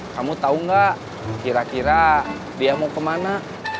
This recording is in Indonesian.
kamu tau gak kira kira dia mau kemana